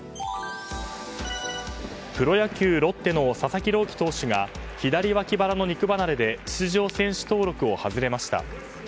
プロ野球ロッテの佐々木朗希投手が左脇腹の肉離れで出場選手登録を外れました。